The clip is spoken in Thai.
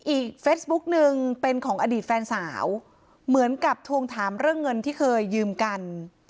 เฟซบุ๊กหนึ่งเป็นของอดีตแฟนสาวเหมือนกับทวงถามเรื่องเงินที่เคยยืมกัน